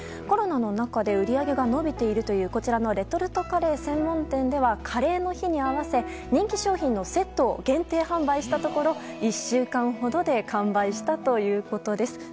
コロナの中で売り上げが伸びているというこちらのレトルトカレー専門店ではカレーの日に合わせ人気商品のセットを限定販売したところ１週間ほどで完売したということです。